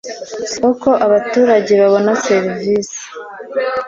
uko abaturage babona serivisi